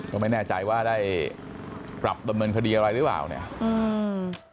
ก็ไม่แน่ใจว่าได้ปรับดำเนินคดีอะไรหรือเปล่าเนี่ยอืม